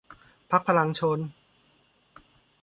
พรรคพลังชล